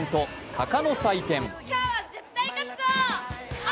・鷹の祭典。